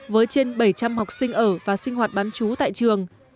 với trên bảy trăm linh học sinh ở và sinh hoạt bán chú tại trường